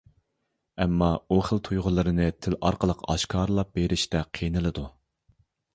ئەمما ئۇ خىل تۇيغۇلىرىنى تىل ئارقىلىق ئاشكارىلاپ بېرىشتە قىينىلىدۇ.